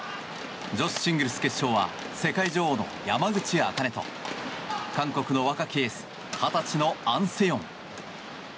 女子シングルス決勝は世界女王の山口茜と韓国の若きエース２０歳のアン・セヨン。